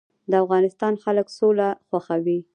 د افغانستان خلک سوله خوښوي